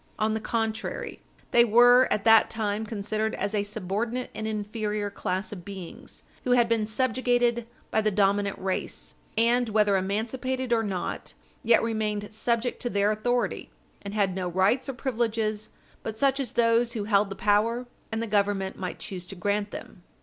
On the contrary, they were at that time considered as a subordinate Page 60 U. S. 405 and inferior class of beings who had been subjugated by the dominant race, and, whether emancipated or not, yet remained subject to their authority, and had no rights or privileges but such as those who held the power and the Government might choose to grant them.